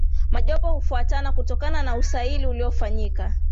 majopo hutofautiana kutoka na usaili uliyofanyika